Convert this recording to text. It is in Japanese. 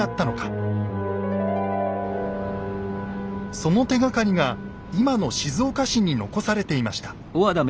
その手がかりが今の静岡市に残されていました。